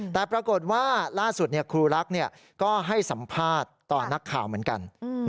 แต่ปรากฏว่าล่าสุดครูรักก็ให้สัมภาษณ์ต่อนักข่าวเหมือนกัน